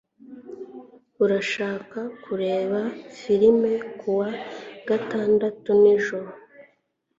Urashaka kureba firime kuwa gatandatu nijoro